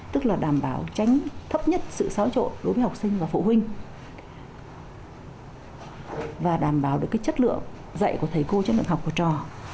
tức là đảm bảo tránh thấp nhất sự xáo trộn đối với học sinh và phụ huynh và đảm bảo được chất lượng dạy của thầy cô chất lượng học của trò